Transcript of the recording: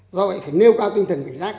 do vậy phải nêu cao tinh thần vệnh giác